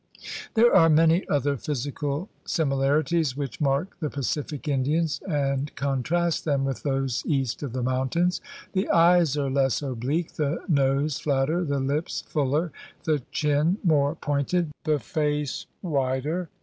There are many other physical similarities which mark the Pacific Indians and contrast them with those east of the mountains. The eyes are less oblique, the nose flatter, the lips fuller, the chin more pointed, the face wider.